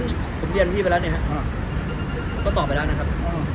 ต้อผมเรียนพี่ไปแล้วนะครับเขาตอบเหตุไปแล้วนะครับ